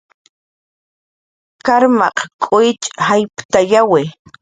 Karmaq k'uwitx jayptayawi